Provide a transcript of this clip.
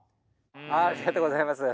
ありがとうございます。